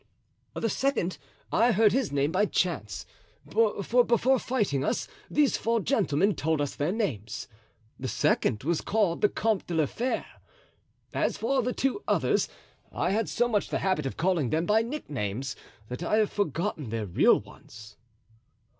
"The second—I heard his name by chance; for before fighting us, these four gentlemen told us their names; the second was called the Comte de la Fere. As for the two others, I had so much the habit of calling them by nicknames that I have forgotten their real ones."